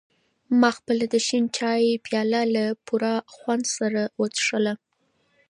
ما خپله د شین چای پیاله له پوره خوند سره وڅښله.